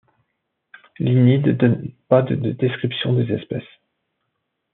Linné ne donne pas de description des espèces.